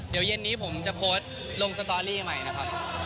เดี๋ยวเย็นนี้ผมจะโพสต์ลงสตอรี่ใหม่นะครับ